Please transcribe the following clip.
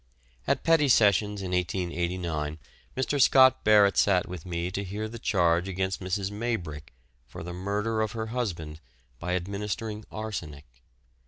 At Petty Sessions in 1889 Mr. Scott Barrett sat with me to hear the charge against Mrs. Maybrick for the murder of her husband by administering arsenic.